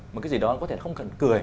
một cái gì đó có thể không cần cười